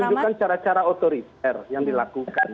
kan menunjukkan cara cara otoriter yang dilakukan